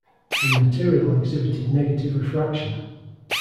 The material exhibited negative refraction.